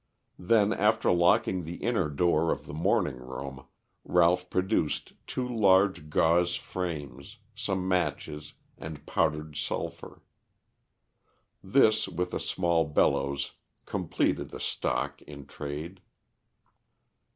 Then, after locking the inner door of the morning room, Ralph produced two large gauze frames, some matches, and powdered sulphur. This, with a small bellows, completed the stock in trade.